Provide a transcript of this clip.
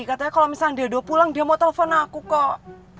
katanya kalau misalnya dia udah pulang dia mau telepon aku kok